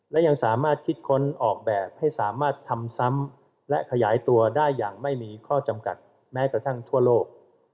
และยังสามารถคิดค้นออกแบบให้สามารถทำซ้ำและขยายตัวได้อย่างไม่มีข้อจำกัดแม้กระทั่งทั่วโลก